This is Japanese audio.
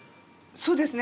そうですね。